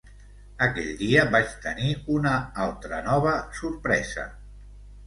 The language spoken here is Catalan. Aquell dia vaig tenir una altra nova sorpresa.